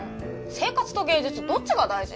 生活と芸術どっちが大事？